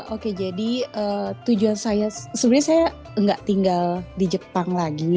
oke jadi tujuan saya sebenarnya saya nggak tinggal di jepang lagi